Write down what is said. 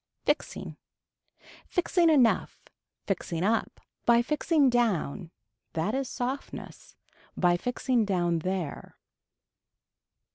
Fixing. Fixing enough. Fixing up. By fixing down, that is softness, by fixing down there.